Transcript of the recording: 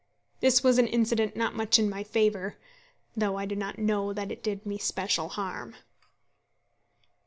This was an incident not much in my favour, though I do not know that it did me special harm.